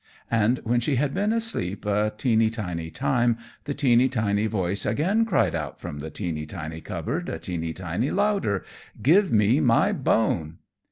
And when she had been asleep a teeny tiny time the teeny tiny voice again cried out from the teeny tiny cupboard a teeny tiny louder "Give me my bone!"